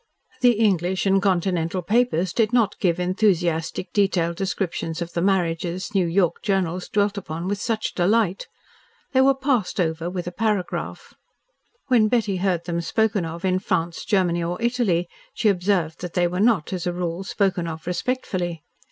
The English and Continental papers did not give enthusiastic, detailed descriptions of the marriages New York journals dwelt upon with such delight. They were passed over with a paragraph. When Betty heard them spoken of in France, Germany or Italy, she observed that they were not, as a rule, spoken of respectfully.